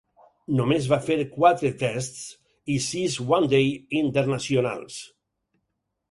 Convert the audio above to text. Només va fer quatre Tests i sis One Day internacionals.